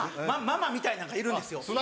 ママみたいなんがいるんですよ。